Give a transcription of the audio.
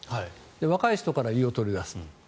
若い人から胃を取り出すと。